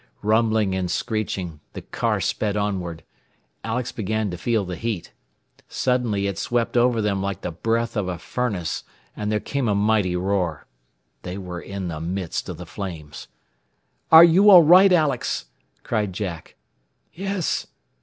Rumbling and screeching, the car sped onward. Alex began to feel the heat. Suddenly it swept over them like the breath of a furnace, and there came a mighty roar. They were in the midst of the flames. "Are you all right, Alex?" cried Jack. "Yes."